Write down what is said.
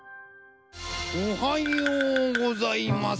おはようございます。